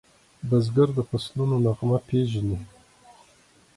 بزګر د فصلونو نغمه پیژني